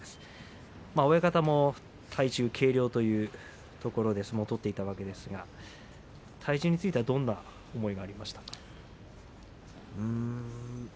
親方も体重、軽量というところで相撲を取っていたわけですが体重についてはどんな思いがありましたか？